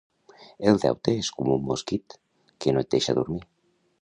El deute és com un mosquit, que no et deixa dormir.